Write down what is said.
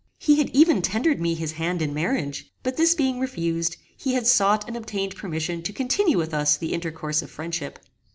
He had even tendered me his hand in marriage; but this being refused, he had sought and obtained permission to continue with us the intercourse of friendship.